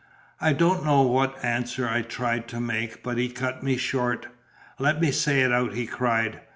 I don't know what answer I tried to make, but he cut me short. "Let me say it out!" he cried.